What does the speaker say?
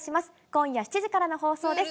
今夜７時からの放送です。